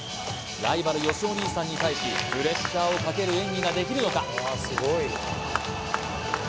ライバル・よしお兄さんに対しプレッシャーをかける演技ができるのか？